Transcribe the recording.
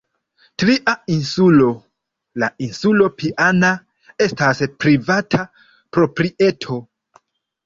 Tria insulo, la insulo Piana, estas privata proprieto.